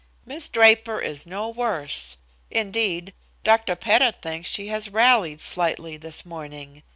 "Miss Draper is no worse. Indeed, Dr. Pettit thinks she has rallied slightly this morning.